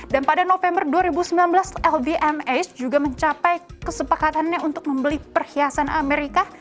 dan pada november dua ribu sembilan belas lvmh juga mencapai kesepakatannya untuk membeli perhiasan amerika